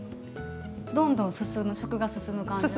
どんどん食が進む感じ。